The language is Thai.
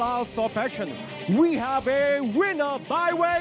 เอาล่ะครับเราไปรุ้นกันดีกว่าว่ารางวัลของเราจะแตกหรือไม่